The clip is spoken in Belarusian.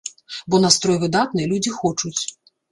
Бо настрой выдатны, людзі хочуць.